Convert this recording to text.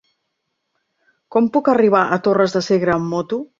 Com puc arribar a Torres de Segre amb moto?